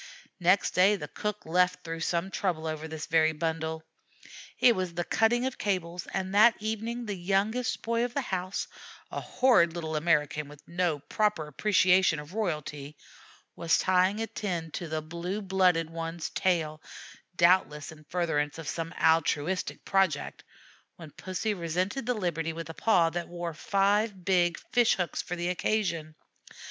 Next day the cook 'left' through some trouble over this very bundle. It was the cutting of cables, and that evening the youngest boy of the house, a horrid little American with no proper appreciation of royalty, was tying a tin to the blue blooded one's tail, doubtless in furtherance of some altruistic project, when Pussy resented the liberty with a paw that wore five big fish hooks for the occasion.